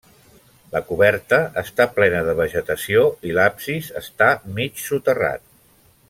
La coberta està plena de vegetació i l'absis està mig soterrat.